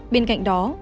bên cạnh đó